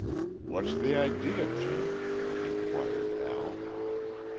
"What's the idea, Chief?" inquired Al.